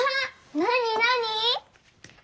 なになに？